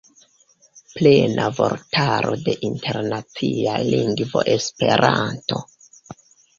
Plena vortaro de internacia lingvo Esperanto.